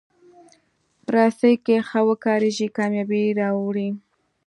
رسۍ که ښه وکارېږي، کامیابي راوړي.